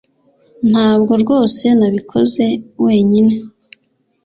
Ntabwo rwose nabikoze wenyine